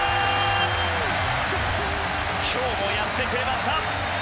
今日もやってくれました！